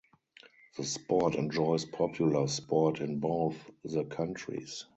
The sport enjoys popular sport in both the countries.